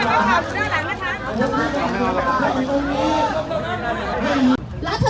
ออกไปออกไป